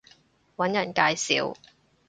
搵人介紹